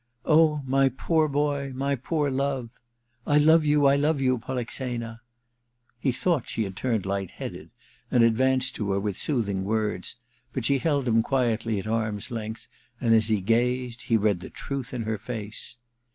*Oh, my poor boy, my poor love —"/ love you^ I love you^ Polixena /"' He thought she had turned light headed, and advanced to her with soothing words ; but she held him quietly at arm's length, and as he gazed he read the truth in her face.